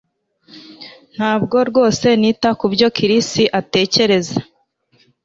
Ntabwo rwose nita kubyo Chris atekereza